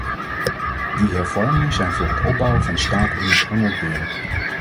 Die hervormingen zijn voor het opbouwen van een staat immers onontbeerlijk.